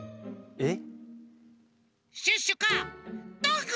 えっ？